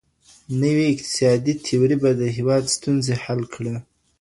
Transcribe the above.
نوي اقتصادي تيورۍ به د هېواد ستونزي حل کړي.